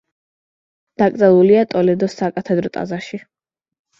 დაკრძალულია ტოლედოს საკათედრო ტაძარში.